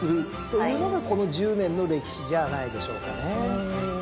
というのがこの１０年の歴史じゃないでしょうかね。